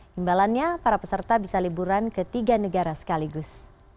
imbalannya para peserta bisa liburan ke tiga negara sekaligus